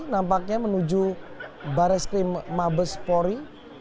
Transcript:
nampaknya menuju barreskrim mabespori